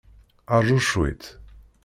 Ṛju cwiṭ.